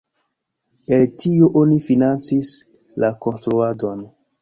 El tio oni financis la konstruadon.